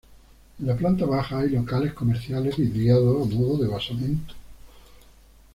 En la planta baja hay locales comerciales vidriados a modo de basamento.